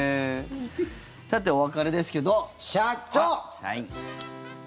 さて、お別れですけど。